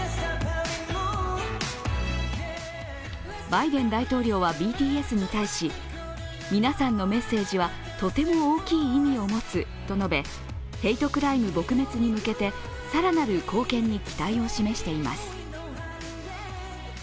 バイデン大統領はＢＴＳに対し皆さんのメッセージはとても大きい意味を持つと述べ、ヘイトクライム撲滅に向けて更なる貢献に期待を示しています。